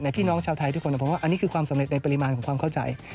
พี่น้องชาวไทยทุกคนผมว่าอันนี้คือความสำเร็จในปริมาณของความเข้าใจ